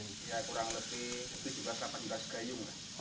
ya kurang lebih tujuh belas delapan belas gayung